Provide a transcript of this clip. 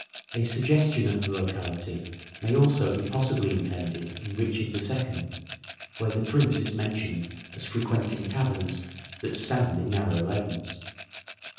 A suggestion of the locality may also be possibly intended in ' Richard II ' where the Prince is mentioned as frequenting taverns ' that stand in narrow lanes.'